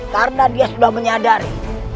karena dia sudah menyadari